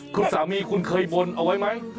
คุณสามีคุณเคยบนเอาไว้ไหม